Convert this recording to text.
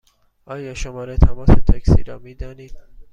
آیا شماره تماس تاکسی را می دانید؟